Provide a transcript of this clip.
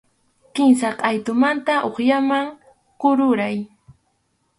Kimsa qʼaytumanta hukllaman kururay.